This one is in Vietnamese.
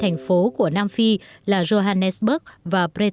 ba thành phố của nam phi là johannesburg và pretoria